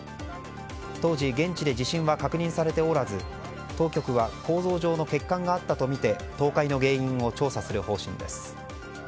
当時、現地で地震は確認されておらず当局は構造上の欠陥があったとみて倒壊の原因を調査する方針です。